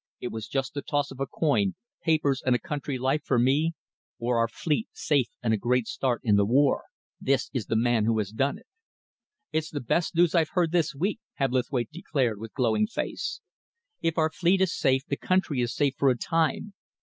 It was just the toss of a coin papers and a country life for me, or our fleet safe and a great start in the war. This is the man who has done it." "It's the best news I've heard this week," Hebblethwaite declared, with glowing face. "If our fleet is safe, the country is safe for a time.